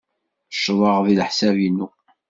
Ccḍeɣ deg leḥsab-inu.